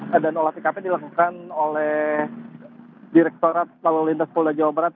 pada minggu pagi tadi polisi melakukan olah tkp di lokasi kecelakaan bus di lembah sarimasyater subang jawa barat ini